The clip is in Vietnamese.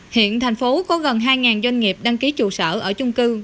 hiện thành phố có gần hai doanh nghiệp đăng ký trụ sở ở chung cư